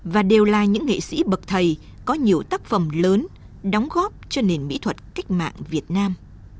và đều là những nghệ sĩ bậc thầy có nhiều tác phẩm lớn đóng góp cho nền mỹ thuật cách mạng việt nam